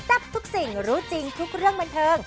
ทุกสิ่งรู้จริงทุกเรื่องบันเทิง